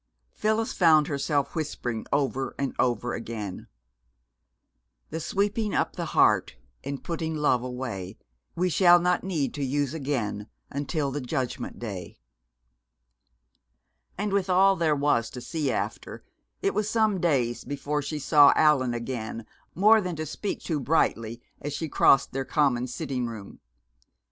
Phyllis found herself whispering over and over again: "The sweeping up the heart And putting love away We shall not need to use again. Until the Judgment Day." And with all there was to see after, it was some days before she saw Allan again, more than to speak to brightly as she crossed their common sitting room.